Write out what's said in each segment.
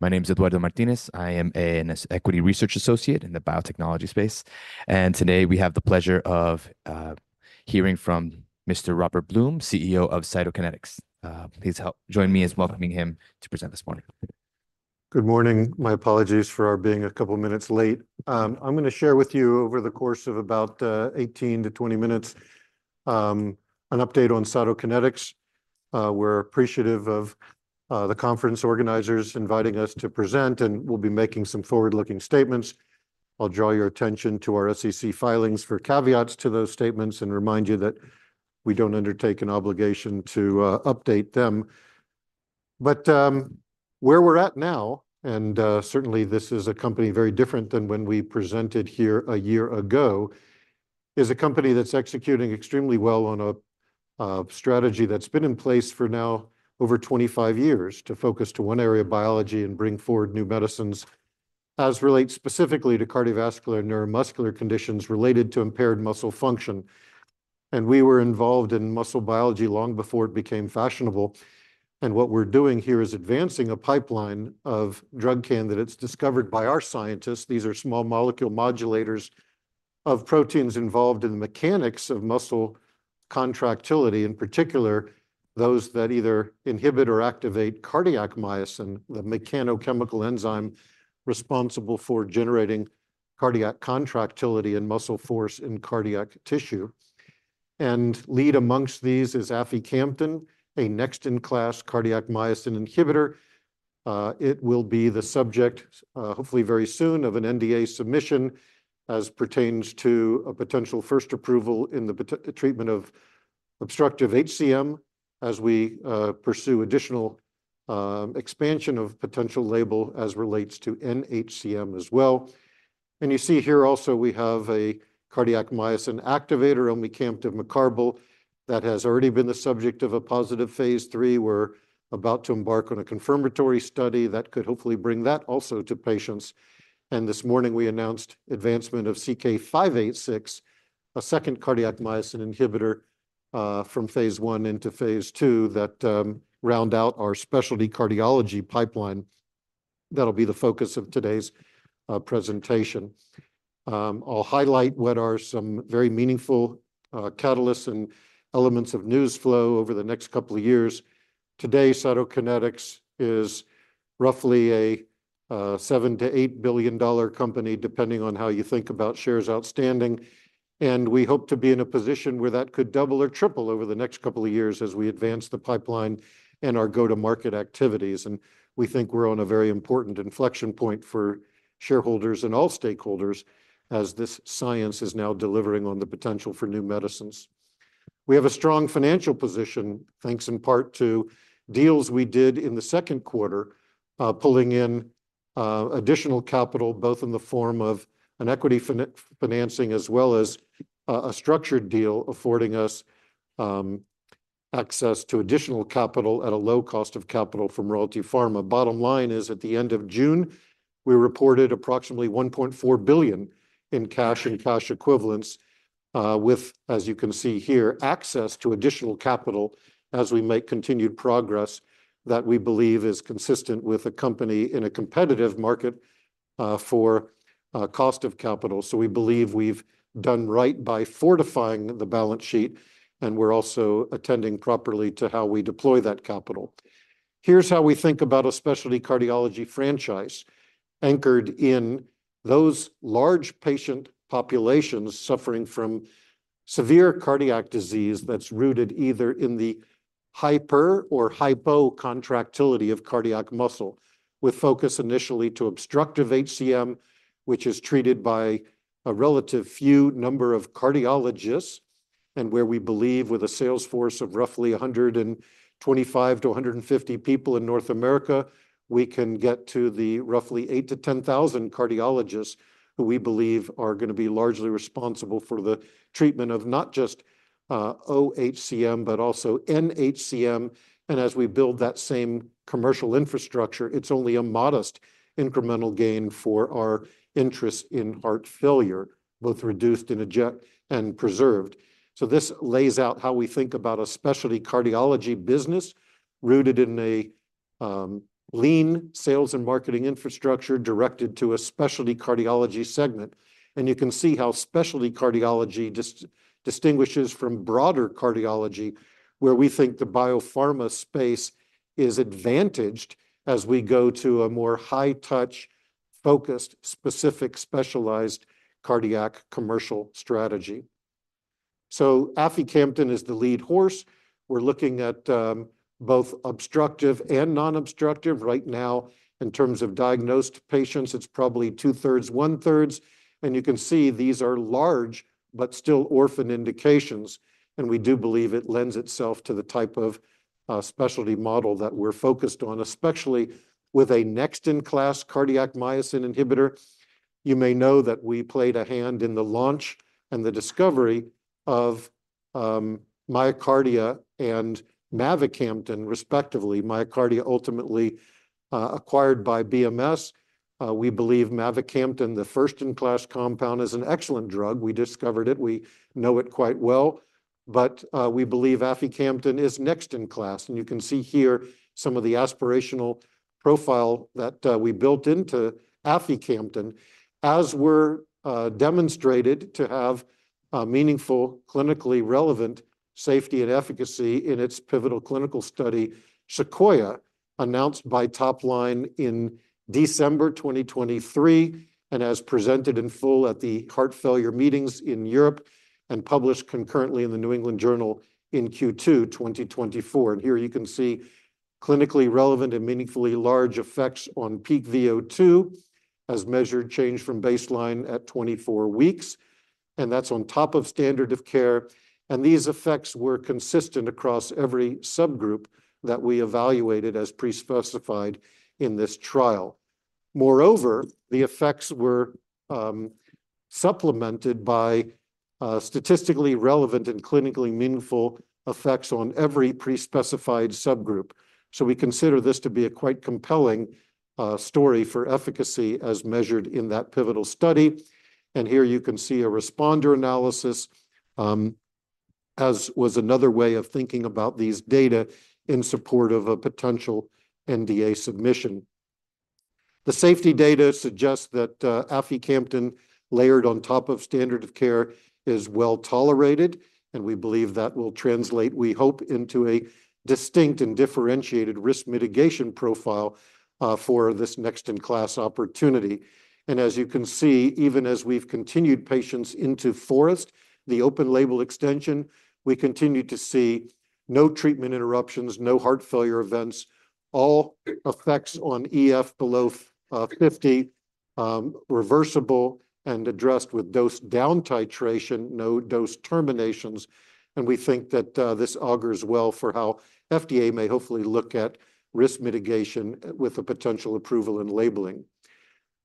My name is Eduardo Martinez. I am an equity research associate in the biotechnology space, and today we have the pleasure of hearing from Mr. Robert Blum, CEO of Cytokinetics. Please join me in welcoming him to present this morning. Good morning. My apologies for our being a couple of minutes late. I'm gonna share with you over the course of about eighteen to twenty minutes an update on Cytokinetics. We're appreciative of the conference organizers inviting us to present, and we'll be making some forward-looking statements. I'll draw your attention to our SEC filings for caveats to those statements and remind you that we don't undertake an obligation to update them. But where we're at now, and certainly this is a company very different than when we presented here a year ago, is a company that's executing extremely well on a strategy that's been in place for now over twenty-five years, to focus to one area of biology and bring forward new medicines as relates specifically to cardiovascular and neuromuscular conditions related to impaired muscle function. We were involved in muscle biology long before it became fashionable. What we're doing here is advancing a pipeline of drug candidates discovered by our scientists. These are small molecule modulators of proteins involved in the mechanics of muscle contractility, in particular, those that either inhibit or activate cardiac myosin, the mechanochemical enzyme responsible for generating cardiac contractility and muscle force in cardiac tissue. Lead amongst these is aficamten, a next-in-class cardiac myosin inhibitor. It will be the subject, hopefully very soon, of an NDA submission as pertains to a potential first approval in the treatment of obstructive HCM, as we pursue additional expansion of potential label as relates to NHCM as well. You see here also we have a cardiac myosin activator, omecamtiv mecarbil, that has already been the subject of a positive Phase 3. We're about to embark on a confirmatory study that could hopefully bring that also to patients. And this morning, we announced advancement of CK-586, a second cardiac myosin inhibitor, from Phase 1 into Phase 2, that round out our specialty cardiology pipeline. That'll be the focus of today's presentation. I'll highlight what are some very meaningful catalysts and elements of news flow over the next couple of years. Today, Cytokinetics is roughly a $7-$8 billion-dollar company, depending on how you think about shares outstanding. And we hope to be in a position where that could double or triple over the next couple of years as we advance the pipeline and our go-to-market activities. And we think we're on a very important inflection point for shareholders and all stakeholders, as this science is now delivering on the potential for new medicines. We have a strong financial position, thanks in part to deals we did in the second quarter, pulling in additional capital, both in the form of an equity financing, as well as a structured deal affording us access to additional capital at a low cost of capital from Royalty Pharma. Bottom line is, at the end of June, we reported approximately $1.4 billion in cash and cash equivalents, with, as you can see here, access to additional capital as we make continued progress that we believe is consistent with a company in a competitive market for cost of capital. We believe we've done right by fortifying the balance sheet, and we're also attending properly to how we deploy that capital. Here's how we think about a specialty cardiology franchise anchored in those large patient populations suffering from severe cardiac disease that's rooted either in the hyper or hypocontractility of cardiac muscle, with focus initially to obstructive HCM, which is treated by a relative few number of cardiologists, and where we believe, with a sales force of roughly 125 to 150 people in North America, we can get to the roughly 8 to 10 thousand cardiologists who we believe are gonna be largely responsible for the treatment of not just, OHCM, but also NHCM, and as we build that same commercial infrastructure, it's only a modest incremental gain for our interest in heart failure, both reduced and preserved. So this lays out how we think about a specialty cardiology business rooted in a lean sales and marketing infrastructure directed to a specialty cardiology segment. And you can see how specialty cardiology distinguishes from broader cardiology, where we think the biopharma space is advantaged as we go to a more high-touch, focused, specific, specialized cardiac commercial strategy. So aficamten is the lead horse. We're looking at both obstructive and non-obstructive. Right now, in terms of diagnosed patients, it's probably two-thirds, one-thirds, and you can see these are large but still orphan indications, and we do believe it lends itself to the type of specialty model that we're focused on, especially with a next-in-class cardiac myosin inhibitor. You may know that we played a hand in the launch and the discovery of MyoKardia and mavacamten, respectively. MyoKardia ultimately acquired by BMS. We believe mavacamten, the first-in-class compound, is an excellent drug. We discovered it. We know it quite well. But, we believe aficamten is next in class, and you can see here some of the aspirational profile that we built into aficamten. As was demonstrated to have meaningful, clinically relevant safety and efficacy in its pivotal clinical study, SEQUOIA, announced topline in December 2023, and as presented in full at the heart failure meetings in Europe and published concurrently in the New England Journal in Q2 2024, and here you can see clinically relevant and meaningfully large effects on peak VO2, as measured change from baseline at 24 weeks, and that's on top of standard of care, and these effects were consistent across every subgroup that we evaluated as pre-specified in this trial. Moreover, the effects were supplemented by statistically relevant and clinically meaningful effects on every pre-specified subgroup. So we consider this to be a quite compelling story for efficacy as measured in that pivotal study. And here you can see a responder analysis, as was another way of thinking about these data in support of a potential NDA submission. The safety data suggests that aficamten, layered on top of standard of care, is well-tolerated, and we believe that will translate, we hope, into a distinct and differentiated risk mitigation profile for this next-in-class opportunity. And as you can see, even as we've continued patients into FOREST, the open-label extension, we continue to see no treatment interruptions, no heart failure events, all effects on EF below 50, reversible and addressed with dose-down titration, no dose terminations. We think that this augurs well for how FDA may hopefully look at risk mitigation with a potential approval and labeling.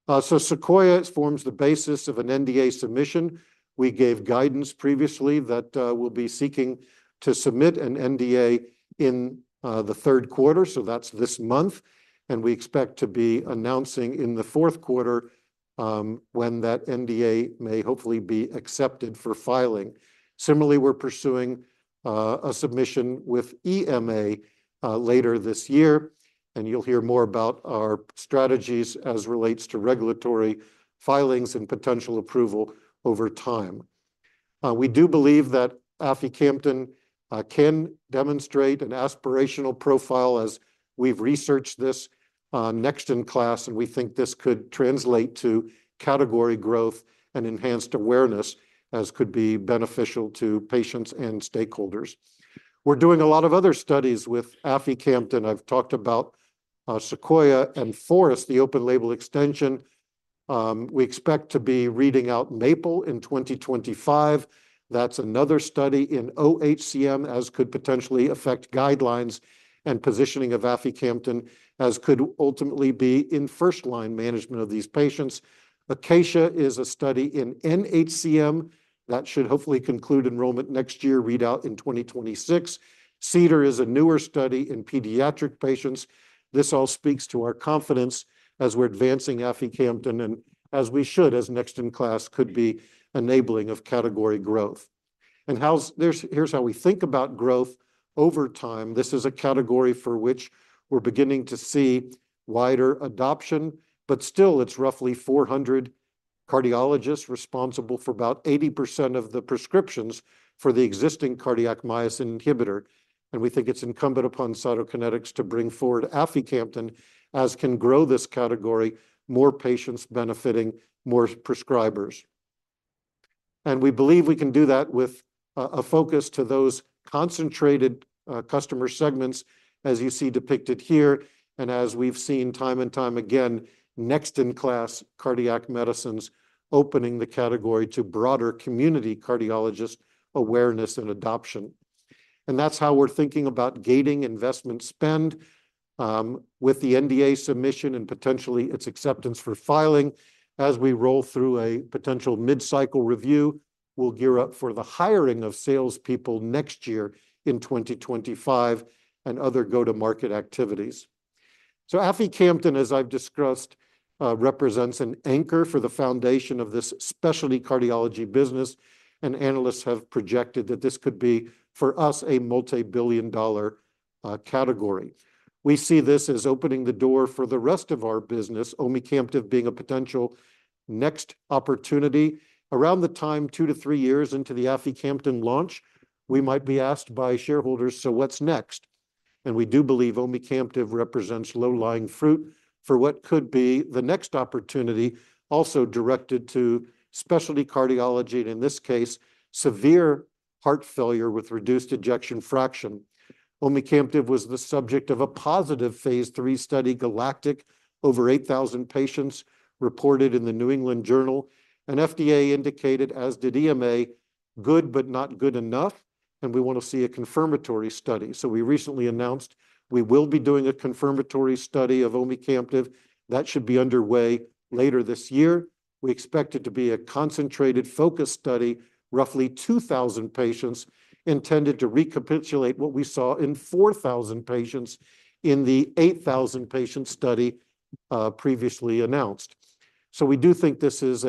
SEQUOIA forms the basis of an NDA submission. We gave guidance previously that we'll be seeking to submit an NDA in the third quarter, so that's this month. We expect to be announcing in the fourth quarter when that NDA may hopefully be accepted for filing. Similarly, we're pursuing a submission with EMA later this year, and you'll hear more about our strategies as relates to regulatory filings and potential approval over time. We do believe that aficamten can demonstrate an aspirational profile as we've researched this next in class, and we think this could translate to category growth and enhanced awareness, as could be beneficial to patients and stakeholders. We're doing a lot of other studies with aficamten. I've talked about SEQUOIA and FOREST, the open-label extension. We expect to be reading out MAPLE in 2025. That's another study in OHCM, as could potentially affect guidelines and positioning of aficamten, as could ultimately be in first-line management of these patients. ACACIA is a study in NHCM that should hopefully conclude enrollment next year, read out in 2026. CEDAR is a newer study in pediatric patients. This all speaks to our confidence as we're advancing aficamten, and as we should, as next in class could be enabling of category growth. And here's how we think about growth over time. This is a category for which we're beginning to see wider adoption, but still it's roughly 400 cardiologists responsible for about 80% of the prescriptions for the existing cardiac myosin inhibitor. And we think it's incumbent upon Cytokinetics to bring forward aficamten, as can grow this category, more patients benefiting more prescribers. And we believe we can do that with a focus to those concentrated customer segments, as you see depicted here, and as we've seen time and time again, next-in-class cardiac medicines opening the category to broader community cardiologist awareness and adoption. And that's how we're thinking about gating investment spend with the NDA submission and potentially its acceptance for filing. As we roll through a potential mid-cycle review, we'll gear up for the hiring of salespeople next year in 2025 and other go-to-market activities. So aficamten, as I've discussed, represents an anchor for the foundation of this specialty cardiology business, and analysts have projected that this could be, for us, a multi-billion dollar category. We see this as opening the door for the rest of our business, omecamtiv being a potential next opportunity. Around the time, two to three years into the aficamten launch, we might be asked by shareholders, "So what's next?" And we do believe omecamtiv represents low-hanging fruit for what could be the next opportunity also directed to specialty cardiology, and in this case, severe heart failure with reduced ejection fraction. Omecamtiv was the subject of a positive phase 3 study, GALACTIC. Over 8,000 patients reported in the New England Journal. And FDA indicated, as did EMA, good, but not good enough, and we want to see a confirmatory study. So we recently announced we will be doing a confirmatory study of omecamtiv. That should be underway later this year... We expect it to be a concentrated focus study, roughly two thousand patients, intended to recapitulate what we saw in four thousand patients in the eight thousand-patient study, previously announced. So we do think this is,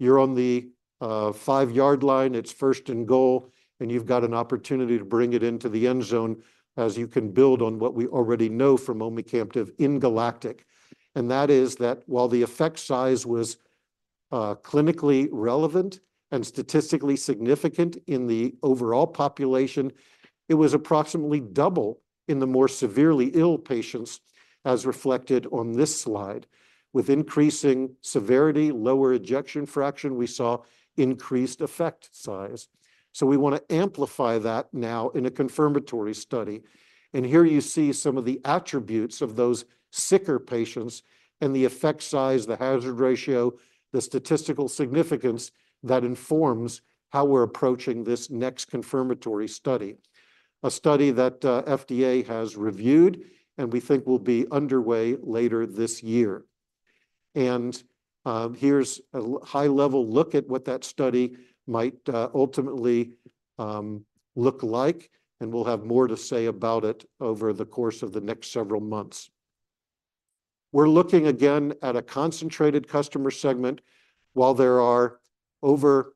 you're on the five-yard line, it's first and goal, and you've got an opportunity to bring it into the end zone, as you can build on what we already know from omecamtiv in GALACTIC. And that is that while the effect size was clinically relevant and statistically significant in the overall population, it was approximately double in the more severely ill patients, as reflected on this slide. With increasing severity, lower ejection fraction, we saw increased effect size. We want to amplify that now in a confirmatory study. Here you see some of the attributes of those sicker patients and the effect size, the hazard ratio, the statistical significance that informs how we're approaching this next confirmatory study, a study that FDA has reviewed and we think will be underway later this year. Here's a high-level look at what that study might ultimately look like, and we'll have more to say about it over the course of the next several months. We're looking again at a concentrated customer segment. While there are over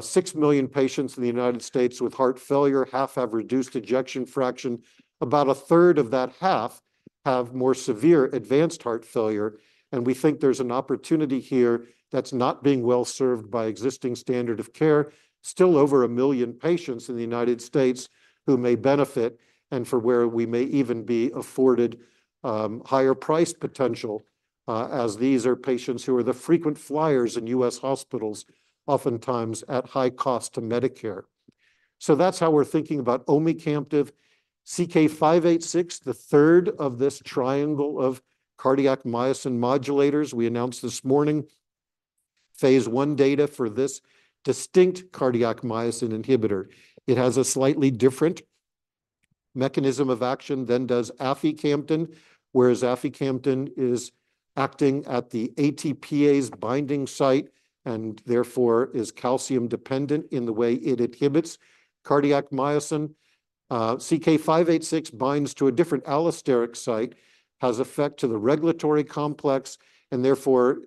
six million patients in the United States with heart failure, half have reduced ejection fraction. About a third of that half have more severe advanced heart failure, and we think there's an opportunity here that's not being well served by existing standard of care. Still over a million patients in the United States who may benefit, and for where we may even be afforded, higher price potential, as these are patients who are the frequent flyers in U.S. hospitals, oftentimes at high cost to Medicare. So that's how we're thinking about omecamtiv. CK-586, the third of this triangle of cardiac myosin modulators, we announced this morning phase I data for this distinct cardiac myosin inhibitor. It has a slightly different mechanism of action than does aficamten, whereas aficamten is acting at the ATPase binding site, and therefore is calcium-dependent in the way it inhibits cardiac myosin. CK-586 binds to a different allosteric site, has effect to the regulatory complex, and therefore,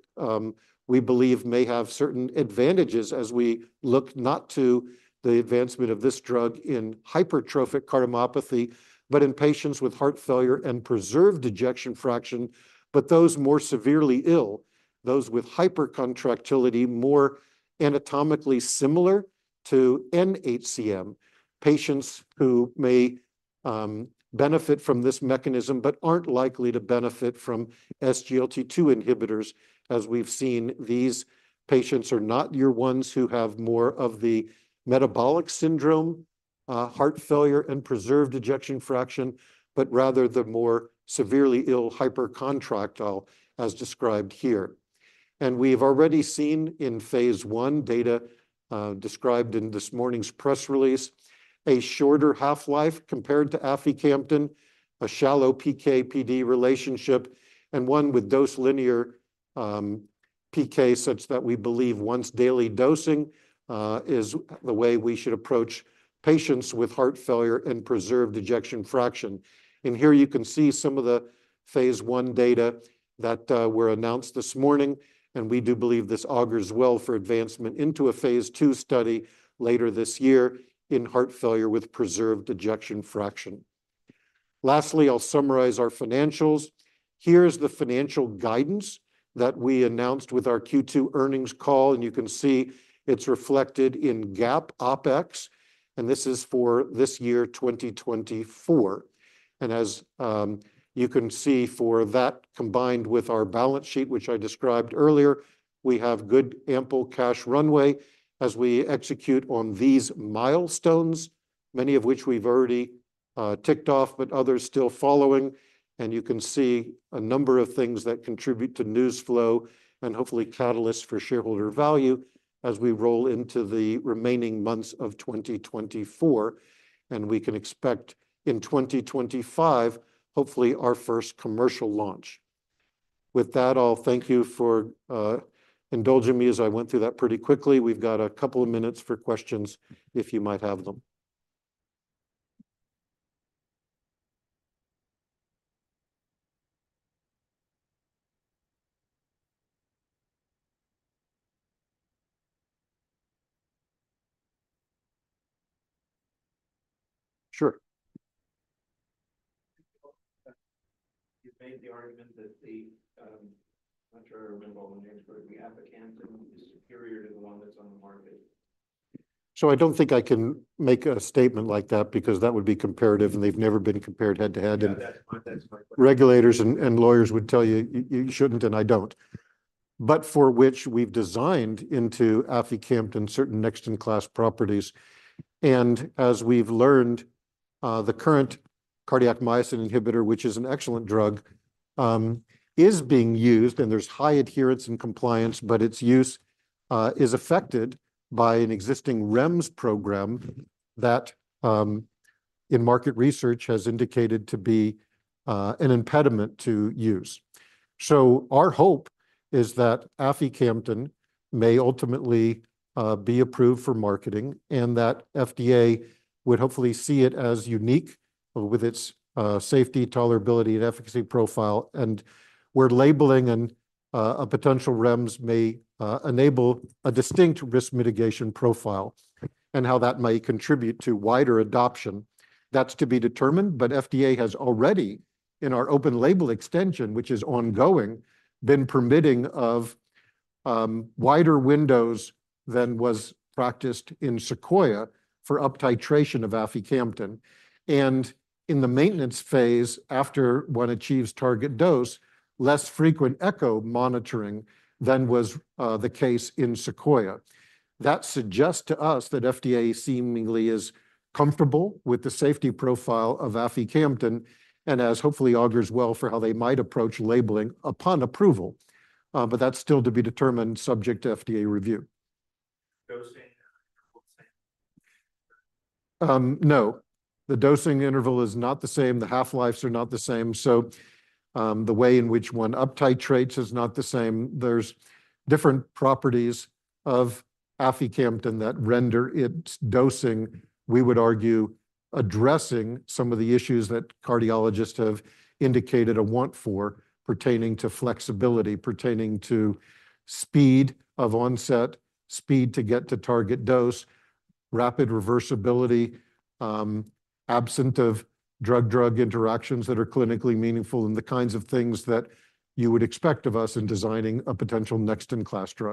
we believe may have certain advantages as we look not to the advancement of this drug in hypertrophic cardiomyopathy, but in patients with heart failure and preserved ejection fraction, but those more severely ill, those with hypercontractility more anatomically similar to NHCM, patients who may, benefit from this mechanism but aren't likely to benefit from SGLT2 inhibitors. As we've seen, these patients are not your ones who have more of the metabolic syndrome, heart failure, and preserved ejection fraction, but rather the more severely ill hypercontractile, as described here. And we've already seen in phase I data, described in this morning's press release, a shorter half-life compared to aficamten, a shallow PK/PD relationship, and one with dose-linear, PK, such that we believe once-daily dosing, is the way we should approach patients with heart failure and preserved ejection fraction. And here you can see some of the phase I data that, were announced this morning, and we do believe this augurs well for advancement into a phase II study later this year in heart failure with preserved ejection fraction. Lastly, I'll summarize our financials. Here's the financial guidance that we announced with our Q2 earnings call, and you can see it's reflected in GAAP OpEx, and this is for this year, twenty twenty-four. And as you can see for that, combined with our balance sheet, which I described earlier, we have good, ample cash runway as we execute on these milestones, many of which we've already ticked off, but others still following. And you can see a number of things that contribute to news flow and hopefully catalysts for shareholder value as we roll into the remaining months of twenty twenty-four, and we can expect in twenty twenty-five, hopefully our first commercial launch. With that, I'll thank you for indulging me as I went through that pretty quickly. We've got a couple of minutes for questions, if you might have them. Sure. You've made the argument that the, I'm not sure I remember the name, but the aficamten is superior to the one that's on the market. So I don't think I can make a statement like that, because that would be comparative, and they've never been compared head-to-head, and- Yeah, that's my question.... regulators and lawyers would tell you, you shouldn't, and I don't. But for which we've designed into aficamten certain next-in-class properties, and as we've learned, the current cardiac myosin inhibitor, which is an excellent drug, is being used, and there's high adherence and compliance, but its use is affected by an existing REMS program that in market research has indicated to be an impediment to use. So our hope is that aficamten may ultimately be approved for marketing, and that FDA would hopefully see it as unique with its safety, tolerability, and efficacy profile, and where labeling and a potential REMS may enable a distinct risk mitigation profile and how that may contribute to wider adoption, that's to be determined. But FDA has already, in our open label extension, which is ongoing, been permitting of, wider windows than was practiced in SEQUOIA for uptitration of aficamten. And in the maintenance phase, after one achieves target dose, less frequent echo monitoring than was, the case in SEQUOIA. That suggests to us that FDA seemingly is comfortable with the safety profile of aficamten, and as hopefully augurs well for how they might approach labeling upon approval. But that's still to be determined, subject to FDA review. Dosing interval the same? No, the dosing interval is not the same. The half-lives are not the same, so, the way in which one uptitrates is not the same. There's different properties of aficamten that render its dosing, we would argue, addressing some of the issues that cardiologists have indicated a want for pertaining to flexibility, pertaining to speed of onset, speed to get to target dose, rapid reversibility, absent of drug-drug interactions that are clinically meaningful, and the kinds of things that you would expect of us in designing a potential next-in-class drug.